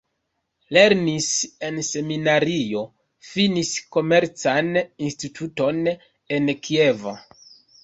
Lernis en seminario, finis Komercan Instituton en Kievo.